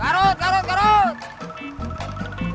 garut garut garut